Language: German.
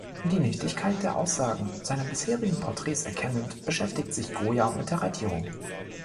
Die Nichtigkeit der Aussagen seiner bisherigen Porträts erkennend, beschäftigt sich Goya mit der Radierung.